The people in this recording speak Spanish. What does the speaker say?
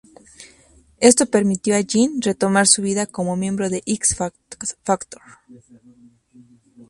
Esto permitió a Jean retomar su vida como miembro de X-Factor.